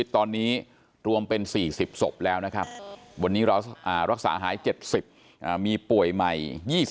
ตอนนี้เรารักษาหาย๗๐มีป่วยใหม่๒๘